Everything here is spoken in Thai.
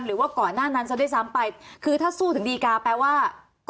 หรือว่าก่อนหน้านั้นซะด้วยซ้ำไปคือถ้าสู้ถึงดีกาแปลว่า